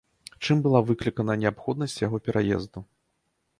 Чым была выклікана неабходнасць яго пераезду?